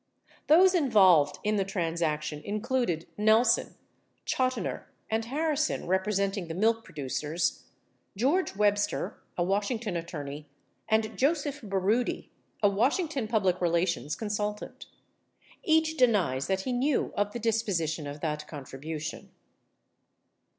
Those involved in the transaction included Nelson, Chotiner, and Harrison representing the milk producers, George Webster, a Washington attorney, and Joseph Baroody, a Washington public relations consultant. Each denies that he knew of the disposi tion of that contribution.